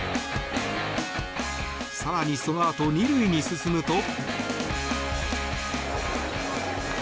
更にそのあと２塁に進むと。